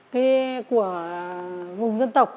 cái của vùng dân tộc